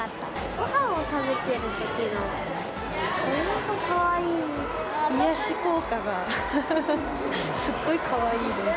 ごはんを食べてるときの、癒やし効果が、すっごいかわいいです。